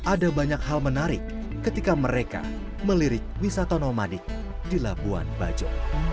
ada banyak hal menarik ketika mereka melirik wisata nomadik di labuan bajo